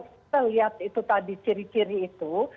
kita lihat itu tadi ciri ciri itu